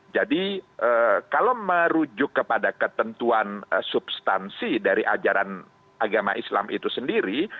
jadi kalau merujuk kepada ketentuan substansi dari ajaran agama islam itu sendiri